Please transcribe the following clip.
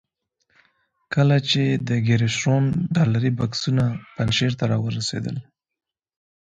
کله چې د ګیري شرون ډالري بکسونه پنجشیر ته را ورسېدل.